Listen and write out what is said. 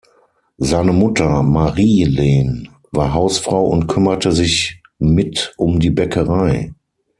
Seine Mutter, Marie Lehn, war Hausfrau und kümmerte sich mit um die Bäckerei.